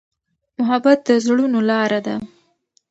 محبت د زړونو لاره ده.